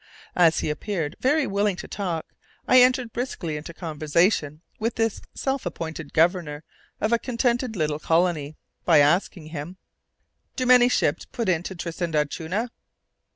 As he appeared very willing to talk, I entered briskly into conversation with this self appointed Governor of a contented little colony, by asking him, "Do many ships put in to Tristan d'Acunha?"